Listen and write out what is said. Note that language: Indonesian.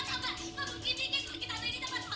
kamu gak pernah didik sama abi